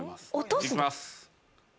いきます